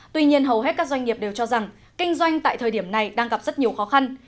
tuy nhiên hầu hết các doanh nghiệp đều cho rằng kinh doanh tại thời điểm này đang gặp rất nhiều khó khăn